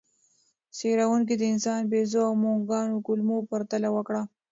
څېړونکي د انسان، بیزو او موږکانو کولمو پرتله وکړه.